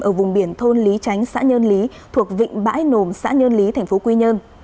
ở vùng biển thôn lý tránh xã nhơn lý thuộc vịnh bãi nồm xã nhơn lý tp quy nhơn